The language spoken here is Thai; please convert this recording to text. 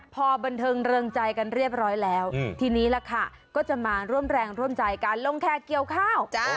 พอบันเทิงเริงใจกันเรียบร้อยแล้วทีนี้ล่ะค่ะก็จะมาร่วมแรงร่วมใจการลงแคร์เกี่ยวข้าว